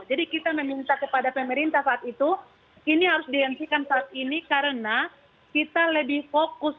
jadi kita meminta kepada pemerintah saat itu ini harus dihentikan saat ini karena kita lebih fokus